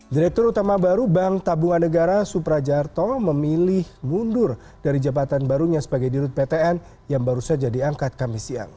direktur utama baru bank tabungan negara suprajarto memilih mundur dari jabatan barunya sebagai dirut ptn yang baru saja diangkat kami siang